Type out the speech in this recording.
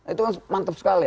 itu mantap sekali